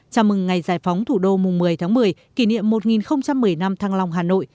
chào mừng ngày giải phóng thủ đô mùng một mươi tháng một mươi kỷ niệm một nghìn một mươi năm thăng long hà nội